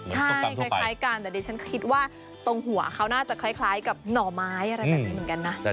ใช่แล้วคล้ายกันอันนี้ชิฟว่าตรงหัวเขาน่าจะคล้ายกับหน่อไม้อีกแล้ว